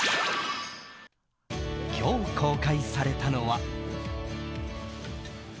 今日、公開されたのは。